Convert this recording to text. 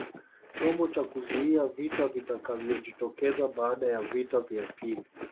Chombo cha kuzuia vita vitakavyojitokeza baada ya vita ya pili